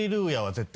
絶対。